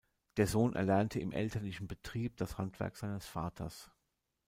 Der Sohn erlernte im elterlichen Betrieb das Handwerk seines Vaters.